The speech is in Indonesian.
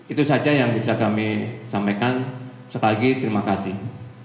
itu saja yang bisa kami sampaikan sekali lagi terima kasih